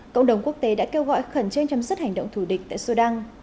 cộng đồng quốc tế đã kêu gọi khẩn trương chấm sứt hành động thủ địch tại sudan